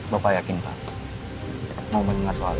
bapak yakin pak mau mendengar soalnya